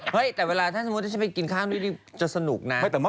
แต่สมมติว่าถ้าจะไปกินข้างด้วย